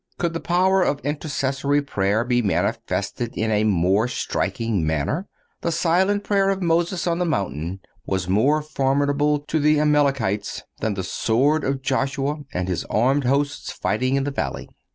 Could the power of intercessory prayer be manifested in a more striking manner? The silent prayer of Moses on the mountain was more formidable to the Amalekites than the sword of Josue and his armed hosts fighting in the valley.